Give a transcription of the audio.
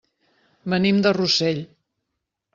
Venim de Rossell.